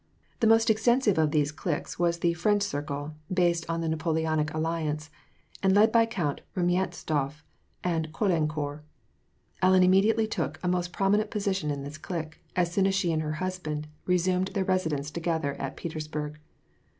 The most extensive of these cliques was the "French circle," based on the Napoleonic alliance, and led by Count Rumyantsof and Caulaincourt. Ellen immediately took a most prominent position in this clique, as soon as she and her husband resumed their residence together at Peters burg.